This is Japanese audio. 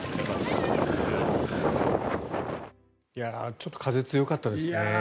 ちょっと風が強かったですね。